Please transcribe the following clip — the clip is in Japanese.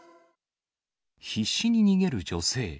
必死に逃げる女性。